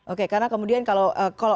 oke karena kemudian kalau